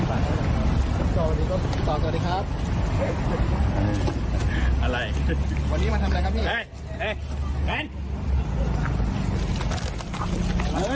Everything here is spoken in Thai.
วันนี้มันทำอะไรครับพี่เห้ยเห้ยเห้ย